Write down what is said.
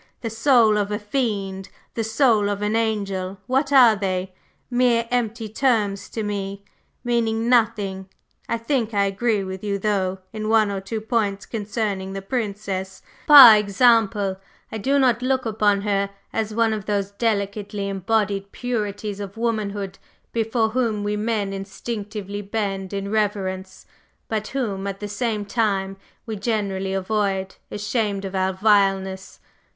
The soul of a fiend, the soul of an angel, what are they? Mere empty terms to me, meaning nothing. I think I agree with you though, in one or two points concerning the Princess; par exemple, I do not look upon her as one of those delicately embodied purities of womanhood before whom we men instinctively bend in reverence, but whom, at the same time, we generally avoid, ashamed of our vileness.